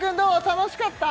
楽しかった？